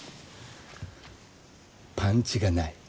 パンチがない。